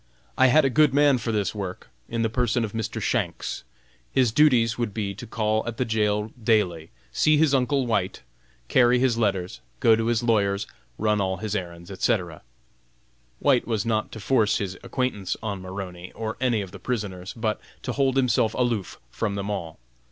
I had a good man for this work, in the person of Mr. Shanks. His duties would be to call at the jail daily, see his uncle White, carry his letters, go to his lawyers, run all his errands, etc. White was not to force his acquaintance on Maroney, or any of the prisoners, but to hold himself aloof from them all.